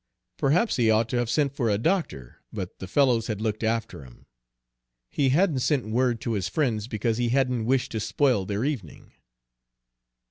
Perhaps he ought to have sent for a doctor, but the fellows had looked after him. He hadn't sent word to his friends because he hadn't wished to spoil their evening.